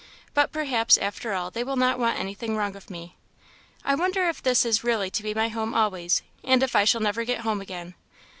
But perhaps after all they will not want anything wrong of me. I wonder if this is really to be my home always, and if I shall never get home again!